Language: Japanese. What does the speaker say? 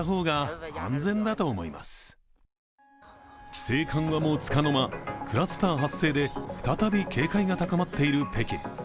規制緩和もつかの間クラスター発生で再び警戒が高まっている北京。